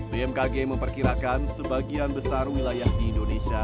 bmkg memperkirakan sebagian besar wilayah di indonesia